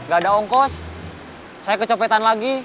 gak ada ongkos saya kecopetan lagi